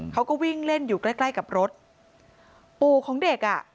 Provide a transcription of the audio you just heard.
เขาก็วิ่งเล่นอยู่ใกล้ใกล้กับรถปู่ของเด็กอ่ะ